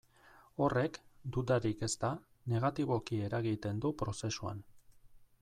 Horrek, dudarik ez da, negatiboki eragiten du prozesuan.